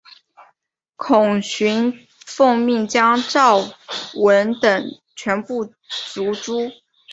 孔循奉命将赵虔等全部族诛。